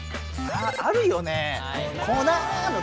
あるよねえ。